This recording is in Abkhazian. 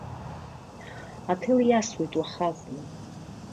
Аҭел иасуеит уахазны.